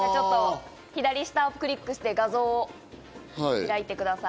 左下をクリックして画像を開いてください。